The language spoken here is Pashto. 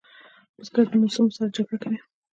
بزګر د موسمو سره جګړه کوي